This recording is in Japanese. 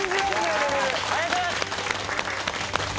ありがとうございます！